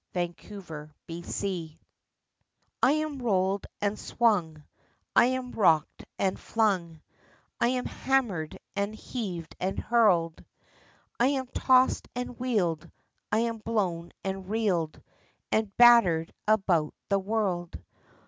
THe Derelict, I am rolled and swung, I am rocked and flung, I am hammered and heaved and hurled, I am tossed and wheeled, I am blown and reeled And battered about the world.